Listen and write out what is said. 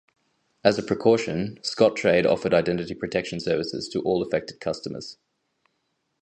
As a precaution, Scottrade offered identity protection services to all affected customers.